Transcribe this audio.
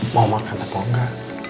mau makan atau enggak